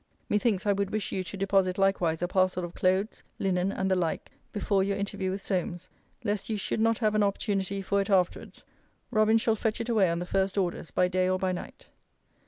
Methinks, I would wish you to deposit likewise a parcel of clothes, linen, and the like, before your interview with Solmes: lest you should not have an opportunity for it afterwards. Robin shall fetch it away on the first orders by day or by night.